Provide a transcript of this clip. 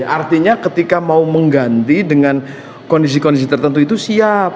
artinya ketika mau mengganti dengan kondisi kondisi tertentu itu siap